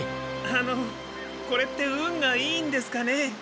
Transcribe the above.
あのこれって運がいいんですかね？